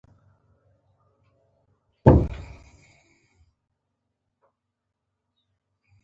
کورمه او بوڼ فرق نه لري